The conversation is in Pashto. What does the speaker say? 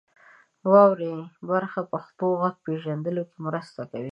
د واورئ برخه پښتو غږ پیژندلو کې مرسته کوي.